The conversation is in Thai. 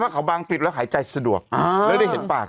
เขาบางกริบแล้วหายใจสะดวกแล้วได้เห็นปาก